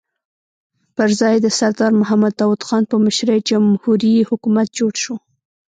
پر ځای یې د سردار محمد داؤد خان په مشرۍ جمهوري حکومت جوړ شو.